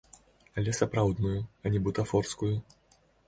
Але сапраўдную, а не бутафорскую.